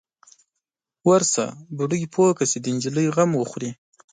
_ورشه، بوډۍ پوه که چې د نجلۍ غم وخوري.